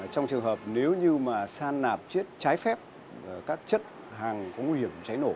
trong trường hợp nếu như mà san nạp chết trái phép các chất hàng nguy hiểm cháy nổ